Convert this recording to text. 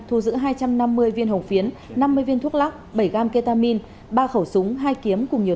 thu giữ hai trăm năm mươi viên hồng phiến năm mươi viên thuốc lắc bảy gam ketamine ba khẩu súng hai kiếm cùng nhiều